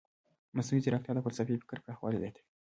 مصنوعي ځیرکتیا د فلسفي فکر پراخوالی زیاتوي.